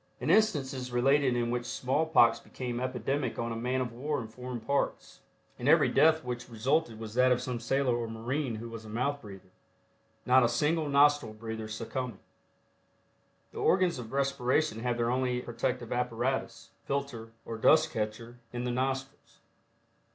An instance is related in which small pox became epidemic on a man of war in foreign parts, and every death which resulted was that of some sailor or marine who was a mouth breather, not a single nostril breather succumbing. The organs of respiration have their only protective apparatus, filter, or dust catcher, in the nostrils.